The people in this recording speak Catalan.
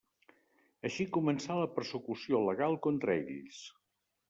Així començà la persecució legal contra ells.